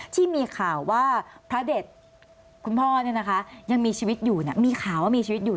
ที่มีข่าวว่าพระเด็ดคุณพ่อยังมีชีวิตอยู่มีข่าวว่ามีชีวิตอยู่